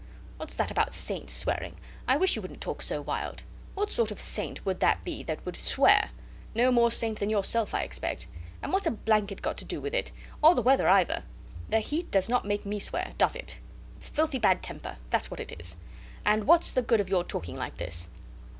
What's that about saints swearing? I wish you wouldn't talk so wild. What sort of saint would that be that would swear? No more saint than yourself, I expect. And what's a blanket got to do with it or the weather either. ... The heat does not make me swear does it? It's filthy bad temper. That's what it is. And what's the good of your talking like this?"